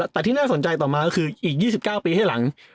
แต่ที่น่าสนใจต่อมาก็คืออีก๒๙ปีให้หลัง